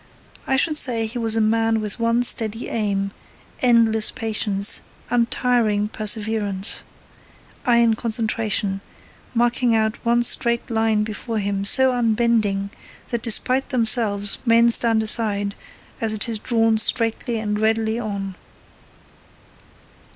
I should say he was a man with one steady aim: endless patience, untiring perseverance, iron concentration; marking out one straight line before him so unbending that despite themselves men stand aside as it is drawn straightly and steadily on.